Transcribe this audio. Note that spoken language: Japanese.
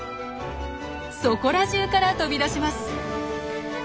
そこらじゅうから飛び出します。